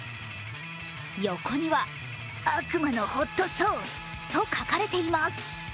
横には、悪魔のホットソースと書かれています。